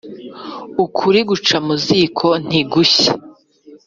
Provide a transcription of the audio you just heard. Ukuri guca muziko ntigushye